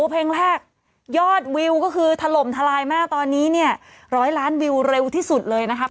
เพลงแรกยอดวิวก็คือถล่มทลายมากตอนนี้เนี่ยร้อยล้านวิวเร็วที่สุดเลยนะครับ